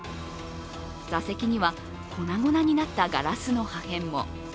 座席には粉々になったガラスの破片も。